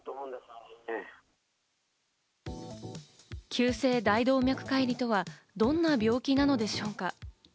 急性大動脈解離とはどんな病気なのでしょうか？